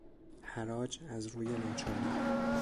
حراج از روی ناچاری